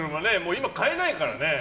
今、買えないからね。